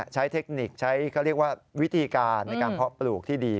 ใช้เทคนิคใช้วิธีการในการเพาะปลูกที่ดี